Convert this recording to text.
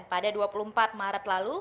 pada dua puluh empat oktober